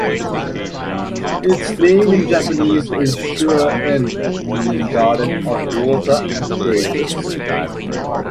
Its name in Japanese is "SuihoEn" meaning "garden of water and fragrance.